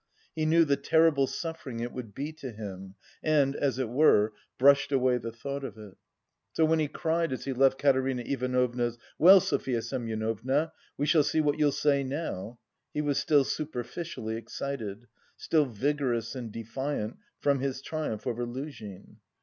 He knew the terrible suffering it would be to him and, as it were, brushed away the thought of it. So when he cried as he left Katerina Ivanovna's, "Well, Sofya Semyonovna, we shall see what you'll say now!" he was still superficially excited, still vigorous and defiant from his triumph over Luzhin.